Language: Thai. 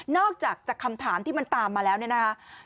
นอกจากคำถามที่มันตามมาแล้วนะ